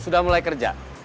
sudah mulai kerja